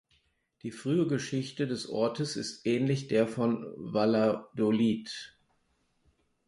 Die frühe Geschichte des Ortes ist ähnlich der von Valladolid.